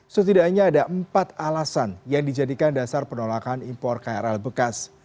setidaknya ada empat alasan yang dijadikan dasar penolakan impor krl bekas